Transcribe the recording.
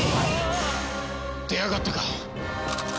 出やがったか！